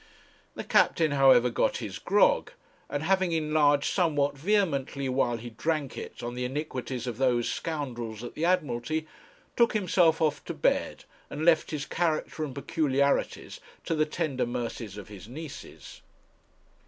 The captain, however, got his grog; and having enlarged somewhat vehemently while he drank it on the iniquities of those scoundrels at the Admiralty, took himself off to bed; and left his character and peculiarities to the tender mercies of his nieces.